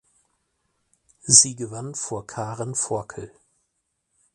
Sie gewann vor Karen Forkel.